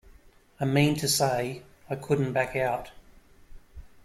I mean to say, I couldn't back out.